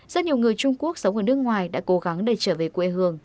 rất nhiều người trung quốc sống ở nước ngoài đã cố gắng để trở về quê hương